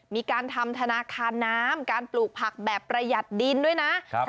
มีการทำธนาคารน้ำการปลูกผักแบบประหยัดดินด้วยนะ